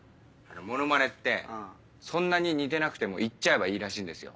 モノマネってそんなに似てなくても言っちゃえばいいらしいんですよ。